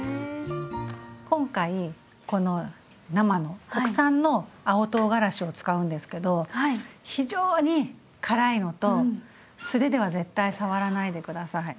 今回この生の国産の青とうがらしを使うんですけど非常に辛いのと素手では絶対触らないで下さい。